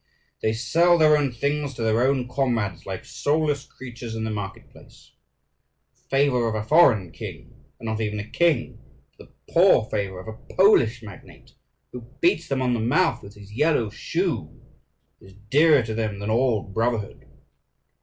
They sell their own things to their own comrades, like soulless creatures in the market place. The favour of a foreign king, and not even a king, but the poor favour of a Polish magnate, who beats them on the mouth with his yellow shoe, is dearer to them than all brotherhood.